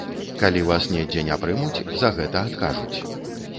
Калі вас недзе не прымуць, за гэта адкажуць.